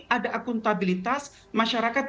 ada akuntabilitas masyarakat